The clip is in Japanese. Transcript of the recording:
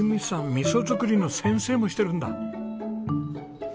味噌作りの先生もしてるんだ。